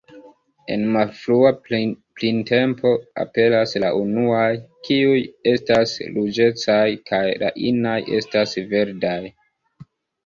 En malfrua printempo aperas la unuaj; kiuj estas ruĝecaj kaj la inaj estas verdaj.